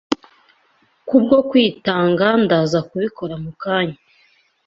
kubwo kwitanga ndaza kubikora mukanya